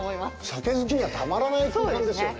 酒好きにはたまらない空間ですよね。